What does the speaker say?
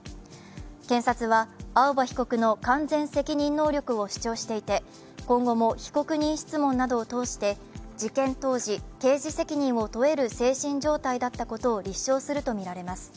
検察は、青葉被告の完全責任能力を主張していて今後も被告人質問などを通して事件当時、刑事責任を問える精神状態だったことを立証するとみられます。